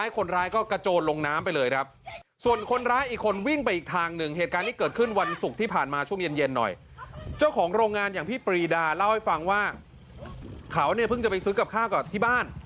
ข่าวว่าเนี่ยเพิ่งจะไปซื้อกับข้าก่อนที่บ้าน